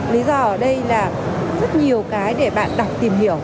lý do ở đây là rất nhiều cái để bạn đọc tìm hiểu